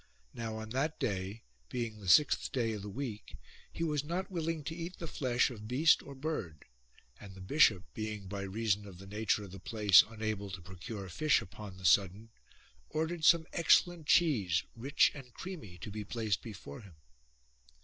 Now on that day, being the sixth day of the week, he was not willing to eat the flesh of beast or bird ; and the bishop, being by reason of the nature of the place unable to procure fish upon the sudden, ordered some excellent cheese, rich and creamy, to be placed before him.